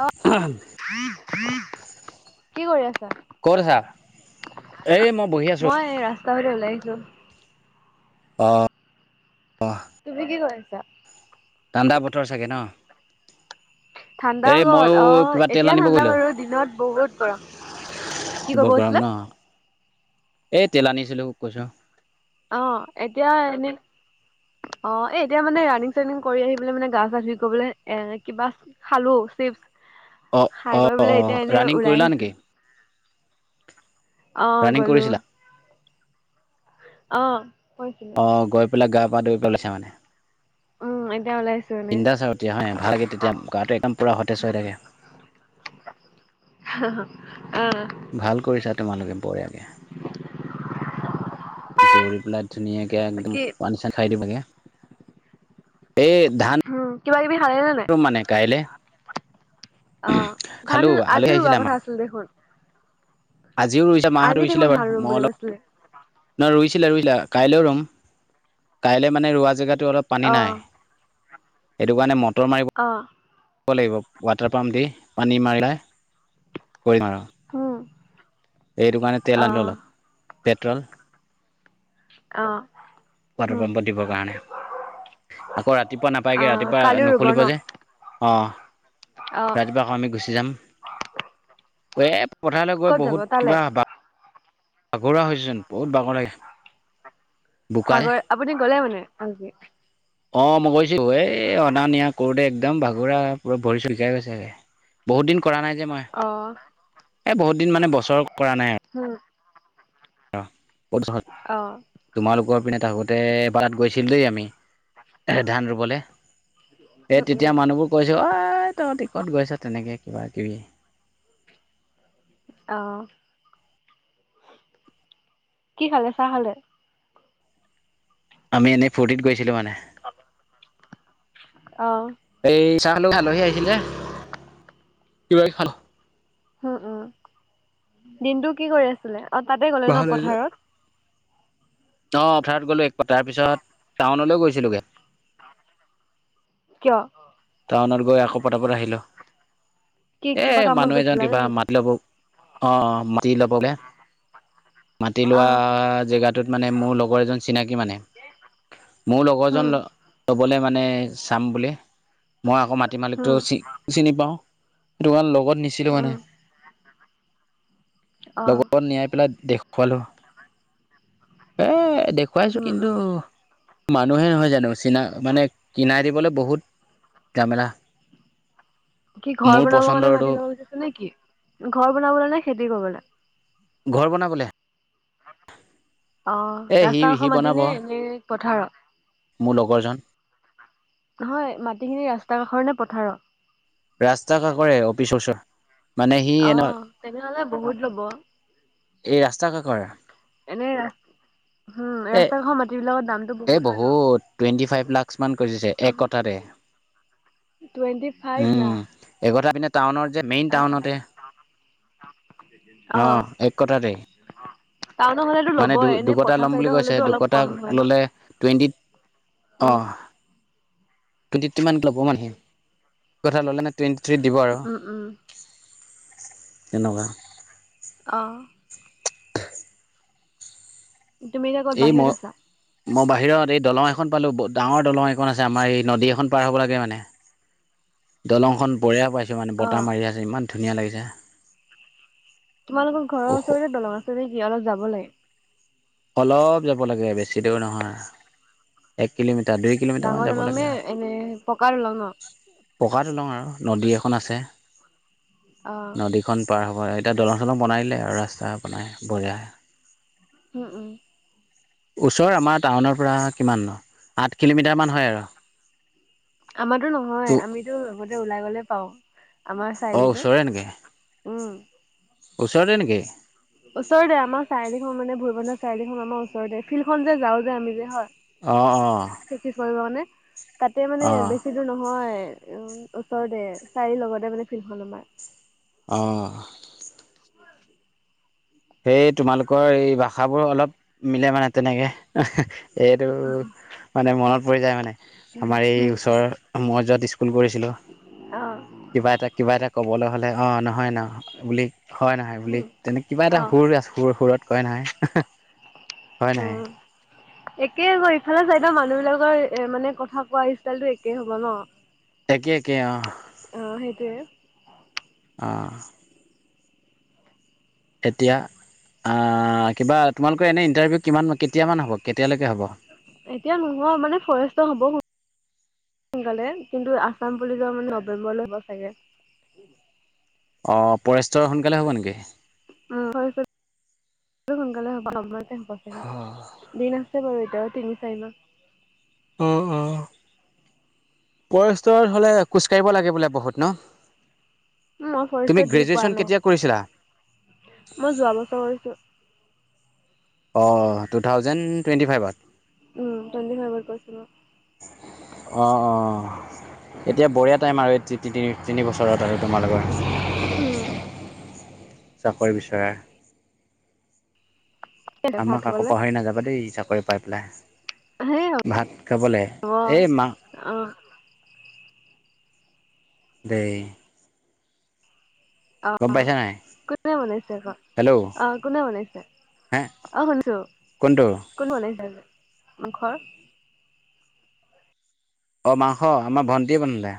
অ কি কৰি আছা? মই এই ৰাস্তা মই বহি আছো। ফালে ওলাই আহিছো। অ', অ'। তুমি কি কৰিছা? ঠাণ্ডা বতৰ চাগে ন? ঠাণ্ডাও এই গ'ল ময়ো অ', কিবা তেল এতিয়া আনিব ঠাণ্ডা বাৰু দিনত বহুত গৰম। কি ক'ব বহুত গৰম গৈছিলা? ন এই তেল আনিছিলো কৈছোঁ। অ', এতিয়া এনে অ', এ এতিয়া মানে ৰানিং চানিং কৰি আহি পেলে মানে গা চা ধুই কৰিবলে এ কিবা খালোঁ চিপ্‌চ অ' খাই অ' কৰিবলৈ অ' এতিয়া এনে ৰানিং ওলাই কৰিলা আহিছো। নেকি? অহ ৰানিং গ'লোঁ কৰিছিলা? অহ। অ', গৈ পেলাই গা পা ধুই পেলাইছে মানে। উম এতিয়া ওলাইছো এনে বিন্দাছ আৰু তেতিয়া হয়নে ভাল লাগে তেতিয়া গাটো একদম পুৰা সতেজ হৈ থাকে। [unintelligible] অ'। ভাল কৰিছা তোমালোকে বঢ়িয়াকে। দৌৰি পেলাই ধুনীয়াকে একদম বাকী পানী চানী খাই দিব লাগে। এই উম কিবা কিবি খালে নে নাই? ধানতো [unintelligible] মানে কাইলৈ অ', ধান আলহী আজিও ৰোৱা আহিছিলে আমাৰ। কথা আছিল দেখোন। আজিও ৰুইছে মাহঁত আজি ৰুইছিলে দেখোন ধান বাৰু ৰুম মই বুলি অলপ কৈছিলে। ন ৰুইছে। পৰখিলে ৰুইছিলে কাইলেও ৰুম কাইলৈ মানে ৰোৱা জেগাতো অলপ পানী নাই। অ', সেইটো কাৰণে মত অ'। ৰুব লাগিব ৱাটাৰ পাম্প দি পানী মাৰিলে কৰিম আৰু। উম। এইটো কাৰণে তেল আনিলোঁ অ', অলপ পেট্ৰল। অ'। ৱাটাৰ উম, পাম্প পাতিব কাৰণে। আকৌ ৰাতিপুৱা নাপায়গে অ', ৰাতিপুৱা কালি ৰুব নুখুলিব ন? যে। অঁ', অ', ৰাতিপুৱা আকৌ আমি গুচি যাম। পথাৰলৈ ক'ত গৈ যাব বহুত তালে? কিবা ভাগৰুৱা হয়চোন বহুত ভাগৰ লাগে। বোকা যে ভাগৰ আপুনি গ'লে মানে আজি অ', মই গৈছোঁ এ অনা নিয়া কৰোঁতে এক একদম ভাগৰুৱা পুৰা ভৰি ছৰি বিষাই গৈছেগে বহুত দিন কৰা নাই যে মই অ', এ বহুত কেইদিন মানে বছৰ কৰা নাই আৰু। উম, [unintelligible] অ', তোমালোকৰ পিনে থাকোঁতে এবাৰত গৈছিলোঁ দেই আমি এ ধান ৰুবলৈম উম, সেই উম, তেতিয়া মানুহবোৰ কৈছে অ', তহঁতি ক'ত গৈছ তেনেকে। [unintelligible] অ', কি খালে চাহ খালে? আমি এনে ফূৰ্তিত গৈছিলোঁ মানে অ', এই চাহ খালো আলহী আহিছিলে [unintelligible] [unintelligible] দিনটো কি কৰি আছিলে অ, তাতে গ'লে ন, পথাৰত? অ, পথাৰত গ'লো এক [unintelligible] তাৰ পিছত টাউনলৈ গৈছিলোগে। কিয়? টাউনত গৈ আখো পতাপত আহিলো কি এ কিবা কামত মানুহ এজন গৈছিলা কিবা নেকি? মাতিলে বও অ', অ', মাটি লবলে। মাটি লোৱা অ', জেগাটোত মানে মোৰ লগৰ এজন চিনাকি মানে মোৰ লগৰ জন উম, ল'বলে মানে চাম বুলে মই আকৌ মাটিৰ উম, মালিকটোও চি-চিনি পাও সেইটো কাৰণে লগত নিছিলো মানে। উম, অ', লগত নিয়াই পেলাই দেখুৱালোঁ এ এ দেখুৱাইছো উম, কিন্তু উম, মানুহে নহয় জানো চিনা মানে কিনাই দিবলে বহুত জামেলা। কি ঘৰ মোৰ বনাব কাৰণে পচন্দৰটো মাতি ল'ব বিচাৰছে নেকি ঘৰ বনাবলে নে খেতি কৰিবলে? ঘৰ বনাবলে। [unintelligible] অ, এ সি ৰাস্তা সি কাষৰ মাটি বনাব নে এনেই পথাৰত? মোৰ লগৰজন নহয়, মাটিখিনি ৰাস্তা কাষৰনে পথাৰৰ? ৰাস্তা কাষৰে অফিচৰ [unintelligible] এ অ', তেনেহ'লে বহুত ল'ব। এনে ৰা-হম, এই ৰাস্তা কাষৰ এ ৰাস্তাৰ কাষৰ মাটি বিলাকত দাম এই বহুত টুৱেণ্টি ফাইভ লাখচ মান খুজিছে এক কঠাতে। Twenty five lakh. কঠা পিনে টাউনৰ মেইন টাউনতে, অ অ', এক কঠাতেই। টাউনৰ হলেতো মানে ল'বই এনে দু-দুকঠা পথাৰ ল'ম বুলি চাইডৰ কৈছে, হলেতো অলপ দুকঠা কম হয় ন ল'লে টুৱেণ্টিত উম অ', টুৱেন্টি টু মান ল'ব [unintelligible] ল'লে মানে টুৱেন উ, উম, উম। তেনেকুৱা। অ'। তুমি এতিয়া ক'ত এই মই বাহিৰত আছা? মই বাহিৰত এই দলং এখন পালোঁ, ব-ডাঙৰ দলং এখন আছ আমাৰ এই নদী এখন পাৰ হ'ব লাগে মানে, দলংখন বঢ়িয়া পাই মানে অ বতাহ মাৰি আছে ইমান ধুনীয়া লাগিছে। তোমালোকৰ ঘৰৰ ওখ ওচৰতে দলং আছে নেকি? অলপ যাব লাগে। অলপ যাব লাগে বেছি দূৰ নহয়, এক কিলোমি ডাঙৰ দলংনে এনে পকা দলং ন? পকা দলং আৰু নদী এখন আছে অ নদীখন পাৰ হৈ এতিয়া দলং, চলং বনাই দিলে আৰু ৰাস্তা বনাই বঢ়িয়া হম, উম। ওচৰৰ আমাৰ টাউনৰ পৰা কিমান আঠ কিলোমিটাৰ মান হয় আৰু আমাতো তো নহয় আমিতো আগতে ওলাই গলে পাওঁ আমাৰ অঁ চাৰিআলিটো ওচৰৰে নেকি উম। ওচৰতে নেকি ওচৰতে আমাৰ চাৰিআলি মান ভৰিবন্ধৰ চাৰিআলিখন আমাৰ ওচৰতে ফিল্ডখনন যে যাওঁ যে আমি যে হয় অ অ প্ৰেক্টিছ কৰিবৰ কাৰণে তাতে মানে বেছি দূৰ নহয় উম ওচৰতে চাৰিআলিৰ লগতে মানে ফালখন আমাৰ অহ সেই তোমালোকৰ এই ভাষাবোৰ অলপ মিলে মানে তেনেকে এইটো মানে মনত পৰি যায় মানে আমাৰ এই উম উম ওচৰৰ মই যত স্কুল কৰিছিলো অ' কিবা এটা কিবা এটা কবল লে হ'লে অঁ নহয় ন বুলি হয় নহয় বুলি উম তেনে কিবা এটা অ' সুৰ আ সুৰ সুৰত কয় নহয় হয় নহয় উম একেই ক ইফালে চাইদ মানুহ বিলাকৰ এ মানে কথা কোৱা ষ্টাইলটো একে হ'ব ন একে একে অ অ সেইটোৱে অ এতিয়া আহ কিবা তোমালোকৰ এনে ইণ্টাৰভিউ কিমান কেতিয়ামান হ'ব কেতিয়ালৈকে হ'ব এতিয়া নহয় মানে ফৰেষ্টৰ হ'ব সোনকালে কিন্তু আসাম পুলিচৰ মানে নৱেম্বৰলৈ হ'ব চাগে অ', পৰেষ্টৰ সোনকালে হ'ব নেকি? উম, [unintelligible] সোনকালে হ'ব সময়তে হ'ব চাগে দিন আছে বাৰু তিনি চাৰিমাহ। অ', অ', পৰেষ্টাৰ হ'লে খোজ কাঢ়িব লাগে বোলে বহুত ন! মই তুমি ফৰেষ্টৰ দি পোৱা গ্ৰেজুৱেশ্যন নাই, কেতিয়া কৰিছিলা মই যোৱাবছৰ হৈছোঁ। অ টু থাউজেণ্ড টুৱেণ্টি ফাইভত উম তন্দে হয়ব কৈছ ন [inaudible] অঁ অঁ এতিয়া বঢ়িয়া টাইম আৰু এই তি - তিনি বছৰত আৰু তোমালোকৰ। উম চাকৰি বিচৰা। ভাত আমাক আকৌ খাবলে পাহৰি নাযাবা দেই চাকৰি পাই সেই হ'ব। পেলাই। ভাত খাবলৈ এই মা অ' দেই। গম অ', পাইছা নাই কোনে বনাইছে [unintelligible] হেল্ল' অ', কোনে বনাইছে? হে অ', শুনছোঁ কোনটো কোন বনাইছে আজি ঘৰ? অ', মাংস আমাৰ ভণ্টিয়ে বনালে।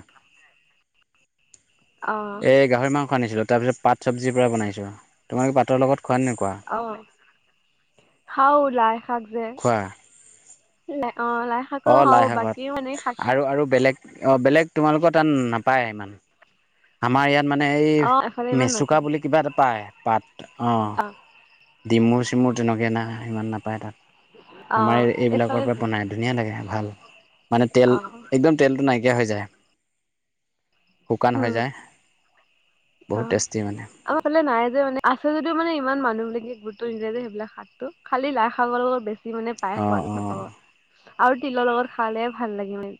অ' এ, গাহৰি মাংস আনিছিলোঁ তাৰপিছত পাত চব্জিৰ পৰা বনাইছোঁ, তোমাৰে পাতৰ লগত খোৱা নে নোখোৱা অ', খাওঁ লাই শাক যে খোৱা লা অ', লাই শাকটো অঁ খাওঁ বাকী মানে শাক অ', বেলেগ তোমালোকৰ তাত নাপায় ইমান আমাৰ ইয়াত মানে অ এফালে এই ইমান মেচুকা নকয় বুলি কিবা এটা পায় পাত অ'। ডিমুৰ চিমুৰ তেনেকে নাই সিমান নাপায় তাত। অ আমাৰ ইয়াত এইবিলাকৰ পৰা এইফালে বনাই ধুনীয়া লাগে ভাল মানে তেল অ একদম তেলটো নাইকিয়া হৈ যায়। শুকান উম হৈ যায়, অ বহুত টেষ্টি মানে। আমাৰ ফালে নাই যে মানে আছে যদিও মানে ইমান মানুহবিলাকে গুৰুত্ব নিদিয়ে যে সেইবিলাক শাকটো, খালি লাই শাকৰ লগত বে মানে পাই অঁ সোৱাদ অঁ [unintelligible] আৰু তিলৰ লগত খালে ভাল লাগে মানে।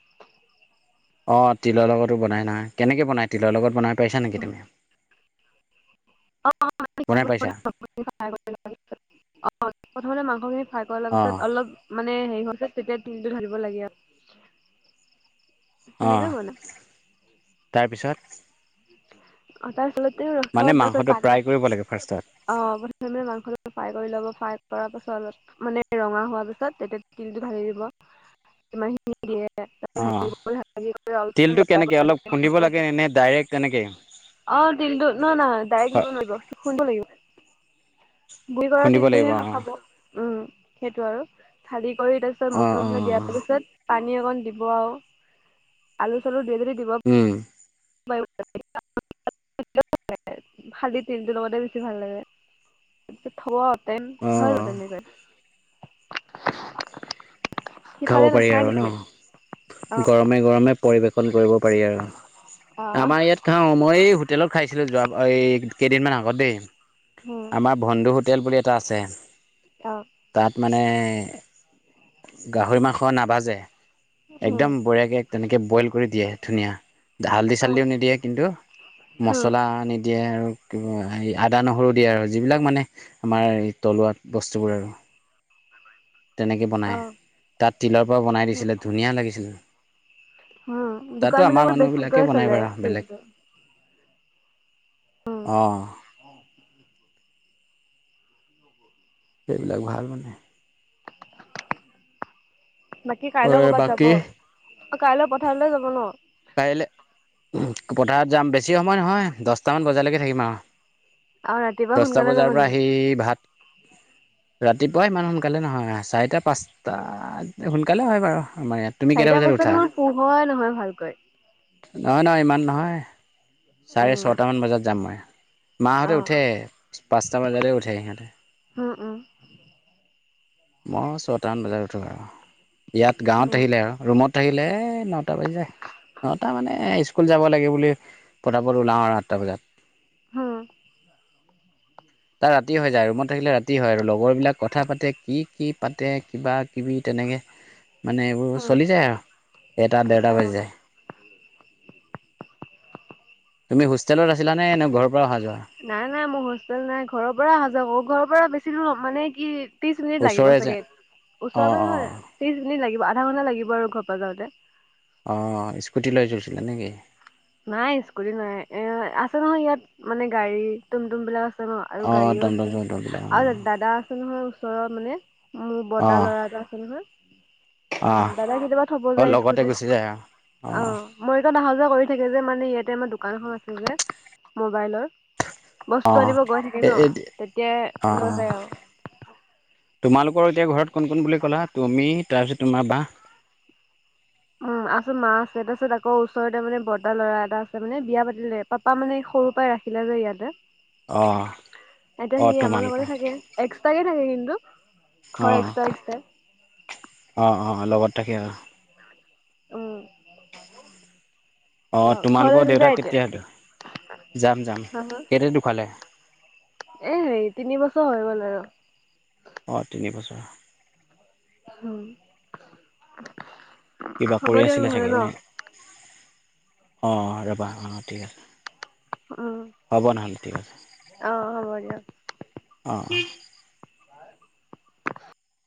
অ', তিলৰ লগতো বনাই নহয়, কেনেকে বনাই তিলৰ লগত বনাই পাইছা নেকি তুমি? [unintelligible] অ', বনাই পাইছা প্ৰথমতে মাংসখিনি [unintelligible] কৰাৰ পিছত অলপ মানে অঁ হেৰি হোৱা পাছত তেতিয়া তিলটো ঢাকিব লাগে আৰু। সেনেকে বনাই অ', তাৰপিছত? অ', তাৰপিছত উম, [unintelligible] মানে তাপাছত মাংসটো পানী ফ্ৰাই অ', কৰিব লাগে ফাৰ্ষ্টত প্ৰথমে মাংসটো ফ্ৰাই কৰি ল'ব। ফ্ৰাই কৰা পাছত অলপ মানে ৰঙা হোৱা পিছত তেতিয়া তিলটো ঢালি দিব। ইমানখিনিয়ে। অ', তিলতটো কেনেকে অলপ খুন্দিব লাগে নে ডাইৰেক্ট? তেনেকৈ অ', তিলটো ন নহয় ডাইৰেক্ট হয় দিব নোৱাৰিব খুন্দিব লাগিব। গুৰি কৰা খুন্দিব লাগিব তিলটোহে অঁ খ-খাব উম, সেইটো আৰু [unintelligible] কৰি তাপিছত অঁ মছলা, অঁ চছলা অঁ দিয়াৰ পিছত পানী অকণ দিব আৰু আলু চালো গোটেইখিনি দিব। উম [unintelligible] খালি তিলটো লগতে বেছি ভাল লাগে। অ', [inaudible] খাব সিফালে পাৰি নাখায় আৰু নেকি? নহ অ', গৰমে, গৰমে পৰিবেশন কৰিব পাৰি আৰু। অ', আমাৰ ইয়াত খাওঁ, মই এই হোটেলত খাইছিলোঁ যোৱা এই কেইদিনমান আগতেই। উম, আমাৰ বন্ধু হোটেল বুলি এটা আছে, অ', তাত মানে গাহৰি মাংস নাভাজে, উম, একদম বঢ়িয়াকে তেনে বইল কৰি দিয়ে ধুনীয়া হালধি অ', চালডিও নিদিয়ে কিন্তু উম, মছলা নিদিয়ে আৰু। এই আদা নহৰু দিয়ে আৰু যিবিলাক মানে আমাৰ থলুৱা বস্তুবোৰ আৰু। [inaudible] তেনেকে বনাই, অ', তাত তিলৰ পৰা বনাই উম, দিছিলে ধুনীয়া লাগিছিল। উম, তাতো দোকান আমাৰ বিলাকত বেছিকৈ চলে দিনটো। অঁ। উ [unintelligible] সেইবিলাক ভাল মানে। বাকী কাইলৈ অ', কৰ'বাত বাকী যাব কাইলৈ পথাৰলৈ যাব ন? কাইলে পথাৰত যাম বেছি সময় নহয় দছটামান বজালেকে থাকিম আৰু। আৰু ৰাতিপুৱা দছটা সোনকালে যাব বজাৰ পৰা নেকি আহি ভাত ৰাতিপুৱা ইমান সোনকালে নহয় চাৰিটা পাঁচটাত সোনকালে হয়, বাৰু। আমাৰ ইয়াত। তুমি কেইটা চাৰিটা বজাত উঠা? দেখোন পোহৰ নহয় ভালকৈ। নহয়, নহয় ইমান নহয়, চাৰে উম ছটা মান বজাত যাম মই। অ মাহাহঁতে উঠে পাঁচটা বজাৰতে উঠে সিহঁতে। অঁ। মই ছয়টামান বজাত উঠো আৰু ইয়াত গাঁৱত উম আহিলে আৰু ৰুমত থাকিলে নটা বাজি যায়, নটা মানে স স্কুল যাব লাগে বুলি পতাপত ওলাওঁ আৰু আঠটা বজাত। হা। তাৰ ৰাতি হয় যায় ৰুমত থাকিলে ৰাতি হয় আৰু লগৰ বিলাক কথা পাতে কি কি পাতে কিবা - কিবি তেনেকে মানে এইবোৰ উম চলি যায় আৰু এটা দেৰটা অ বাজি যায়। তুমি হোষ্টেলত আছিলা নে ঘৰত? নাই নাই মোৰ হোষ্টেল নাই ঘৰৰ পৰা অহা যোৱা কৰো ঘৰৰ পৰা বেছি দূৰ মানে কি ত্ৰিশ মিনিট লাগিব ওচৰৰে যে চাগে, ওচৰ অঁ অঁ নহয় ত্ৰিশ মিনিট লাগিব। আধা ঘন্টা লাগিব আৰু ঘৰ পৰা যাওঁতে। অঁ স্কুট লৈ গৈছিলা নেকি? নাই স্কুটি নাই, এ আছে নহয় ইয়াত মানে গাড়ী টুমটুম বিলাক আছ আছে ন আৰু অঁ গাড়ীও টমটম আছে, চমটমবিলাক আৰু দাদা আছে নহয় ওচৰৰ মানে। মোৰ বৰ্তাৰ অঁ ল'ৰা এটা আছে নহয়। অঁ অ অঁ দাদা কেতিয়াবা থব অঁ যায় লগতে স্কুটিত, গুচি যায় আৰু অঁ মই টোন আহা যোৱা কৰি থাকে যে মানে ইয়াতে আমাৰ দোকান এখন আছে যে মোবাইলৰ। বস্তু অঁ আনিব গৈ থাকে ন এই অঁ তেতিয়াই লৈ অঁ যায় আও। তোমালোকৰ এতিয়া ঘৰত কোন কোন বুলি ক'লা? তুমি তাৰপিছত তোমাৰ বা উম আছে মা আছে তাৰপিছত আকৌ ওচৰতে মানে বৰ্তা ল'ৰা এটা আছে মানে বিয়া পাতিলে পাপা মানে সৰুৰ পৰাই ৰাখিলে যে ইয়াতে। অঁ এতিয়া অঁ সি আমাৰ তোমালোকৰ লগতে থাকে, এক্সট্ৰাকে থাকে কিন্তু। ঘৰ অঁ এক্সটা এক্সটাই। অঁ অঁ লগত থাকে অহ। উম। অ ঘৰলৈ তোমালোকৰ দেউতা নাযায় এতিয়া কেতিয়া ঢো যাম যাম কেতিয়া ঢুকালে? এই হেৰি তিন বছৰ হৈ গ'ল আৰু। অঁ তিনি বছৰ। উম। কিবা হ'ব কৰি দিয়ক আছিলে নহ'লে চাগে? ন নে অ ৰবা অ ঠিক আছে। উম হ'ব নহলে ঠিক আছে, অ হ'ব দিয়ক অঁ। [inaudible]